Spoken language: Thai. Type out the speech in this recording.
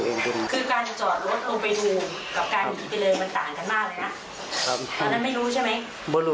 วันนั้น